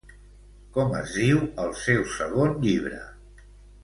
Com es diu el seu segon llibre?